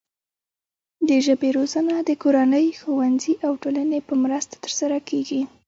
د ژبې روزنه د کورنۍ، ښوونځي او ټولنې په مرسته ترسره کیږي.